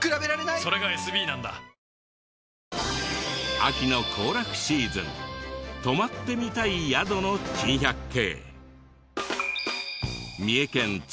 秋の行楽シーズン泊まってみたい宿の珍百景。